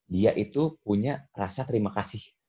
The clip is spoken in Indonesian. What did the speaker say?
dia itu punya rasa terima kasih